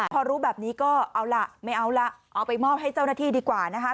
พอรู้แบบนี้ก็เอาล่ะไม่เอาละเอาไปมอบให้เจ้าหน้าที่ดีกว่านะคะ